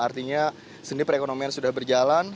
artinya seni perekonomian sudah berjalan